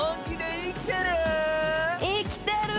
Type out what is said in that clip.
生きてる！